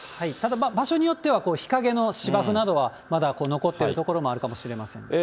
ただ場所によっては、日陰の芝生などは、まだ残っている所もあるかもしれません。